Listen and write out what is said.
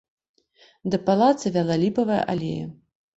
Да палаца вяла ліпавая алея.